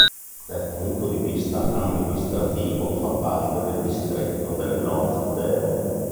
Dal punto di vista amministrativo, fa parte del distretto del North Devon.